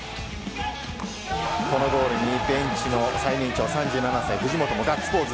このゴールにベンチの最年長３７歳、藤本もガッツポーズ。